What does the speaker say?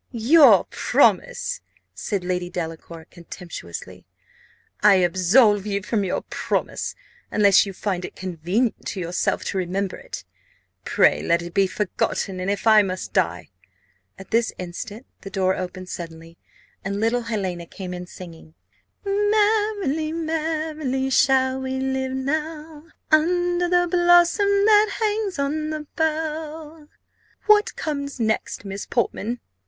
"Your promise!" said Lady Delacour, contemptuously. "I absolve you from your promise. Unless you find it convenient to yourself to remember it, pray let it be forgotten; and if I must die " At this instant the door opened suddenly, and little Helena came in singing "'Merrily, merrily shall we live now, Under the blossom that hangs on the bough.' What comes next, Miss Portman?"